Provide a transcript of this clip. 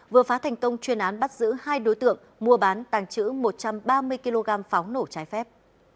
vừa phá thành công chuyên án bắt giữ hai đối tượng mua bán tàng trữ một trăm ba mươi kg pháo nổ trái phép